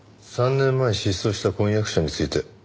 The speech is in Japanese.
３年前失踪した婚約者について。